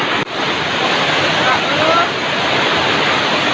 อาจจะมีง่าย